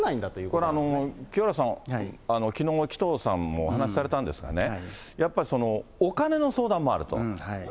これ、清原さん、きのうの紀藤さんもお話されたんですがね、やっぱりその、お金の相談もあると。